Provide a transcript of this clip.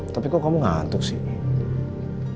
tapi kok kamu ngantuk sih